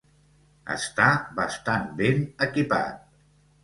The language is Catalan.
Està bastant ben equipat.